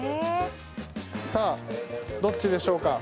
さあ、どっちでしょうか？